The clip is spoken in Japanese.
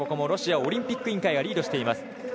ロシアオリンピック委員会リードしています。